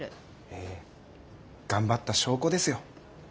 ええ頑張った証拠ですよ。